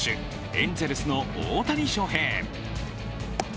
エンゼルスの大谷翔平。